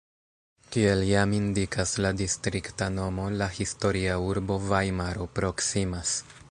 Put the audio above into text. Kiel jam indikas la distrikta nomo, la historia urbo Vajmaro proksimas.